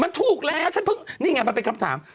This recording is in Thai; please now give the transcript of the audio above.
มันถูกแล้วนี่ไงมันเป็นคำถาม